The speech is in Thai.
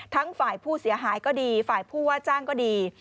ทั้งฝ่ายผู้เสียหายก็ดีฝ่ายผู้ว่าจ้างก็ดี